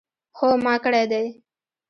هو ما کړی دی